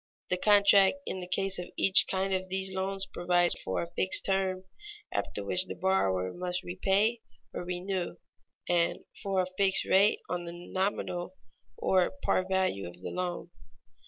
The contract in the case of each kind of these loans provides for a fixed term after which the borrower must repay or renew, and for a fixed rate on the nominal or par value of the loan.